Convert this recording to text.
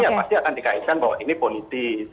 ya pasti akan dikaitkan bahwa ini politis